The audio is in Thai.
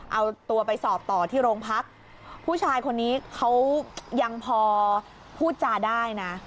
เอาตัวไปสอบต่อที่โรงพักผู้ชายคนนี้เขายังพอพูดจาได้นะ